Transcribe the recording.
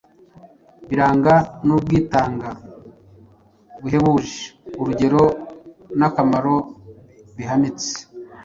biranga n’ubwitanga buhebuje, urugero n’akamaro bihanitse.